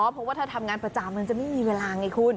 เพราะว่าถ้าทำงานประจำมันจะไม่มีเวลาไงคุณ